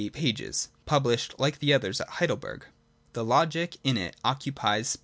288, published (like the others) at Heidelberg. The Logic in it occupies pp.